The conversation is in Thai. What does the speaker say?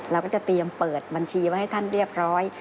เราก็จะเตรียมเปิดบัญชีไว้ให้ท่านเรียบร้อย